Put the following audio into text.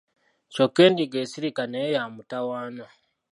Kyokka Endiga esirika naye ya mutawaana.